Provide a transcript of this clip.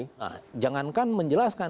nah jangankan menjelaskan